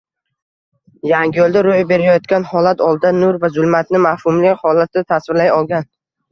Yangiyo‘lda ro‘y berayotgan holat oldida nur va zulmatni mavhumlik holatida tasvirlay olgan